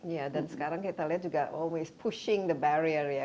ya dan sekarang kita lihat juga always pushing the barrier ya